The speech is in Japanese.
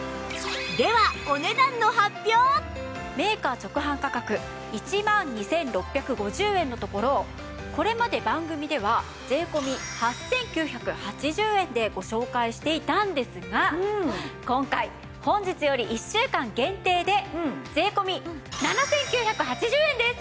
ではメーカー直販価格１万２６５０円のところこれまで番組では税込８９８０円でご紹介していたんですが今回本日より１週間限定で税込７９８０円です！